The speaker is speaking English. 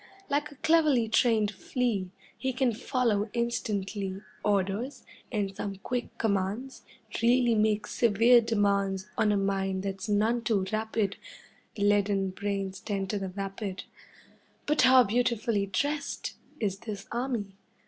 Like a cleverly trained flea, He can follow instantly Orders, and some quick commands Really make severe demands On a mind that's none too rapid, Leaden brains tend to the vapid. But how beautifully dressed Is this army!